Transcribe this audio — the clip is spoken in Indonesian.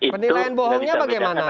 penilaian bohongnya bagaimana